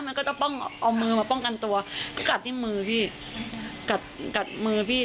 มันก็ต้องเอามือมาป้องกันตัวก็กัดที่มือพี่กัดกัดมือพี่